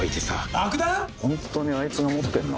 本当にあいつが持ってんの？